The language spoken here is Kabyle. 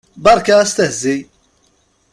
Berka astehzi!